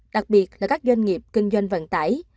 đặc biệt là các doanh nghiệp kinh doanh vận tải